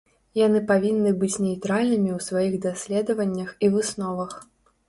Яны павінны быць нейтральнымі ў сваіх даследаваннях і высновах.